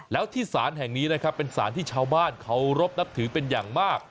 แล้วที่ศาลแห่งนี้นะครับเป็นสารที่ชาวบ้านเคารพนับถือเป็นอย่างมาก